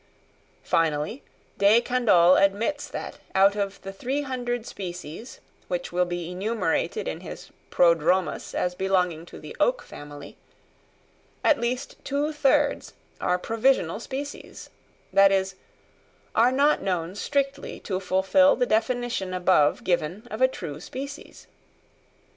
Finally, De Candolle admits that out of the 300 species, which will be enumerated in his Prodromus as belonging to the oak family, at least two thirds are provisional species, that is, are not known strictly to fulfil the definition above given of a true species.